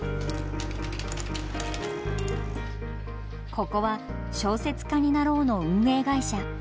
ここは「小説家になろう」の運営会社。